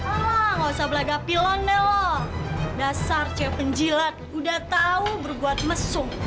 alah gak usah belaga pilon deh lo dasar ce penjilat udah tahu berbuat mesum